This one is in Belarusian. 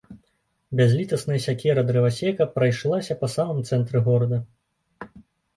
Бязлітасная сякера дрывасека прайшлася па самым цэнтры горада.